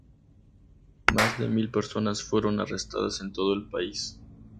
Más de mil personas fueron arrestadas en todo el país.